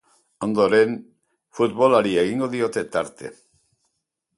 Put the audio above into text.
Ondoren, futbolari egingo diote tarte.